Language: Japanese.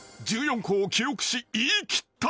［１４個を記憶し言い切った］